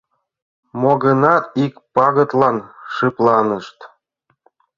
Мо-гынат, ик пагытлан шыпланышт.